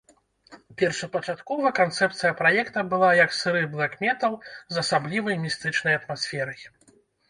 Першапачаткова канцэпцыя праекта была як сыры блэк-метал з асаблівай містычнай атмасферай.